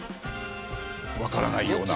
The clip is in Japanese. わからないような。